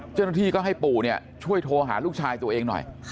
เจ้าหน้าที่ก็ให้ปู่ช่วยโทรหาลูกชายตัวเองหน่อย